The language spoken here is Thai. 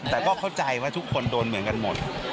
แต่ก็เข้าใจว่าทุกคนโดนเหมือนกันหมด